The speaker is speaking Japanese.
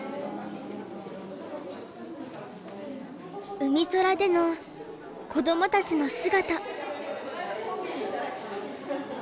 うみそらでの子どもたちの姿。